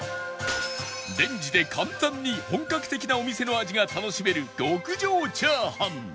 レンジで簡単に本格的なお店の味が楽しめる極上炒飯